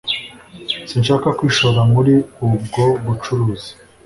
Sinshaka kwishora muri ubwo bucuruzi